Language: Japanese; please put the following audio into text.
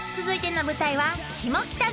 ［続いての舞台は］